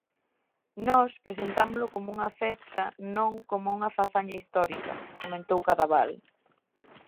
"Nós presentámolo como unha festa, non como unha fazaña histórica", comentou Cadaval.